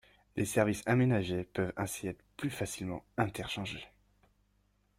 Les services aménagés peuvent ainsi être plus facilement inter-changés.